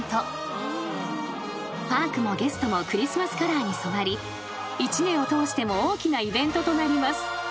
［パークもゲストもクリスマスカラーに染まり一年を通しても大きなイベントとなります］